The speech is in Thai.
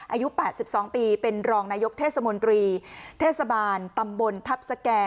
อายุ๘๒ปีเป็นรองนายกเทศมนตรีเทศบาลตำบลทัพสแก่